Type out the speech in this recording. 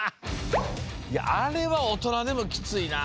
いやあれはおとなでもきついな。